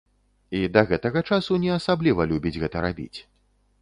І да гэтага часу не асабліва любіць гэта рабіць.